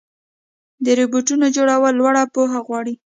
د روبوټ جوړول لوړه پوهه غواړي.